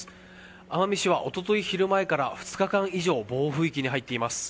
奄美市は一昨日昼前から２日間以上暴風域に入っています。